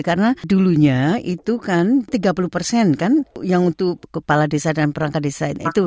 karena dulunya itu kan tiga puluh persen kan yang untuk kepala desa dan perangkat desa itu